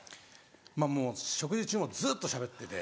まぁもう食事中もずっとしゃべってて。